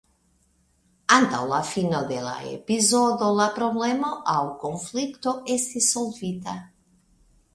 Antaŭ la fino de la epizodo la problemo aŭ konflikto estis solvita.